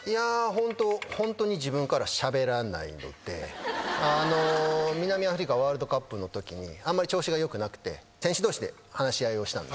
ホントに自分からしゃべらないので南アフリカワールドカップのときにあんまり調子がよくなくて選手同士で話し合いをしたんです。